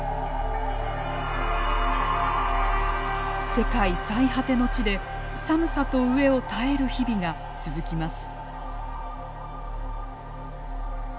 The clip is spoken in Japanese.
世界最果ての地で寒さと飢えを耐える日々が続きます。